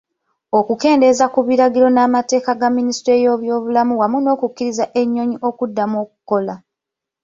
Okukendeeza ku biragiro n'amateeka ga Minisitule y'ebyobulamu wamu n'okukkirizza ennyonyi okuddamu okukola.